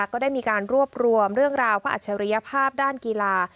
ก็ได้มีการรวบรวมเรื่องราวพระอัจฉริยภาพด้านกีฬา